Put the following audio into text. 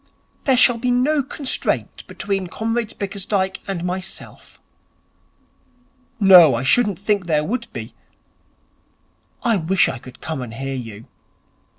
There shall be no constraint between Comrade Bickersdyke and myself.' 'No, I shouldn't think there would be. I wish I could come and hear you.'